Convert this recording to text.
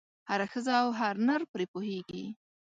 هره ښځه او هر نر پرې پوهېږي.